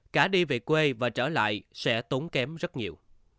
cả đi về quê và trở lại sẽ tốn kém rất nhiều